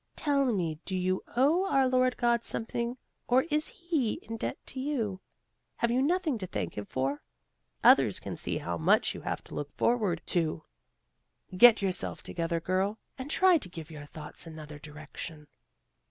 Tell me do you owe our Lord God something or is He in debt to you? Have you nothing to thank him for? Others can see how much you have to look forward to. Get yourself together, girl, and try to give your thoughts another direction."